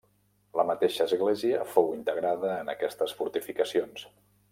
La mateixa església fou integrada en aquestes fortificacions.